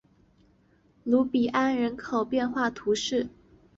卢比安人口变化图示